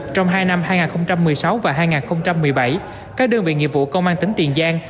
trong hai năm hai nghìn một mươi sáu và hai nghìn một mươi bảy các đơn vị nghiệp vụ công an tỉnh tiền giang